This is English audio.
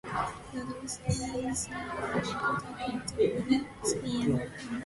The doosra is now an important part of the off-spin armoury.